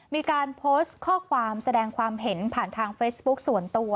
มีการโพสต์ข้อความแสดงความเห็นผ่านทางเฟซบุ๊คส่วนตัว